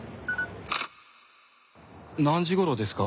何時頃ですか？